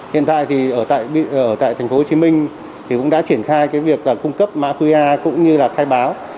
hiện tại thì ở tại tp hcm thì cũng đã triển khai cái việc cung cấp mã qr cũng như là khai báo